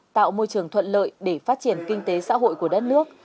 tạo môi trường thuận lợi để phát triển kinh tế xã hội của đất nước